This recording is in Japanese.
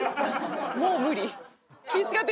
もう無理。